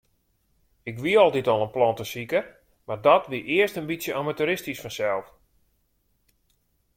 Ik wie altyd al in plantesiker, mar dat wie earst in bytsje amateuristysk fansels.